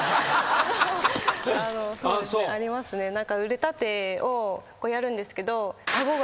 腕立てをやるんですけど。